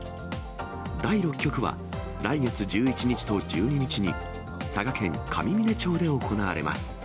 第６局は、来月１１日と１２日に、佐賀県上峰町で行われます。